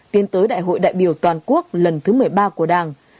tiến tới đại hội đại biểu toàn quốc lần thứ một mươi ba của đảng